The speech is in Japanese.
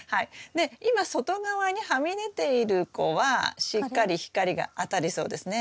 今外側にはみ出ている子はしっかり光が当たりそうですね。